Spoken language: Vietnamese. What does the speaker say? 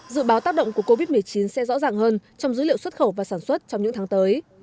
dự báo tác động của covid một mươi chín sẽ rõ ràng hơn trong dữ liệu xuất khẩu và sản xuất trong những tháng tới